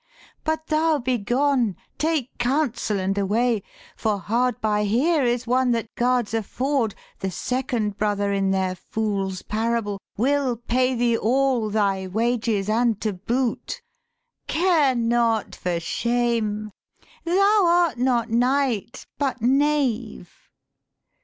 'But thou begone, take counsel, and away, For hard by here is one that guards a ford The second brother in their fool's parable Will pay thee all thy wages, and to boot. Care not for shame: thou art not knight but knave.'